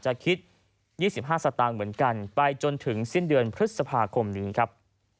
จะคิด๒๕สตางค์เหมือนกันไปจนถึงสิ้นเดือนพฤษภาคมนี้ครับ